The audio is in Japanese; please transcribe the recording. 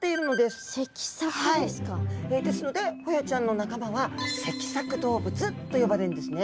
ですのでホヤちゃんの仲間は脊索動物と呼ばれるんですね。